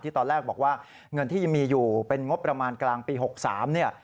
ตอนแรกบอกว่าเงินที่ยังมีอยู่เป็นงบประมาณกลางปี๖๓เนี่ย